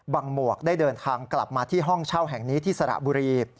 หมวกได้เดินทางกลับมาที่ห้องเช่าแห่งนี้ที่สระบุรี